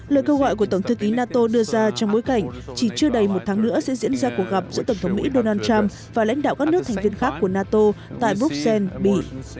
lời kêu gọi của tổng thư ký nato đưa ra trong bối cảnh chỉ chưa đầy một tháng nữa sẽ diễn ra cuộc gặp giữa tổng thống mỹ donald trump và lãnh đạo các nước thành viên khác của nato tại bruxelles bỉ